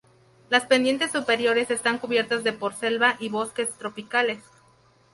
Las pendiente superiores están cubiertas de por selva y bosques tropicales.